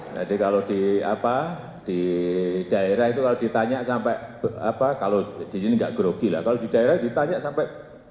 jadi kalau di daerah itu kalau ditanya sampai kalau di sini enggak gerogi lah kalau di daerah ditanya sampai